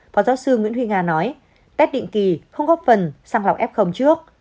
phó giáo sư nguyễn huy hà nói test định kỳ không góp phần sang lọc f trước